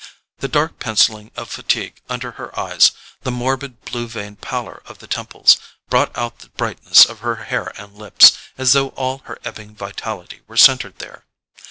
The dark pencilling of fatigue under her eyes, the morbid blue veined pallor of the temples, brought out the brightness of her hair and lips, as though all her ebbing vitality were centred there.